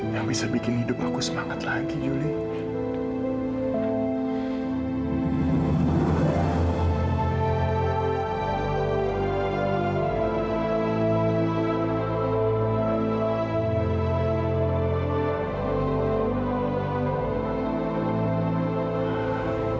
yang bisa bikin hidup aku semangat lagi yuli